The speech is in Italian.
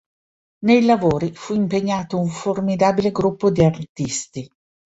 Nei lavori fu impegnato un formidabile gruppo di artisti.